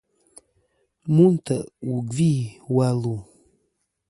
Mùtɨ wù gvi wà lu.